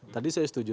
tadi saya setuju